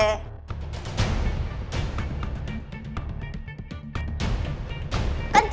kencengkan dikit lembek banget lo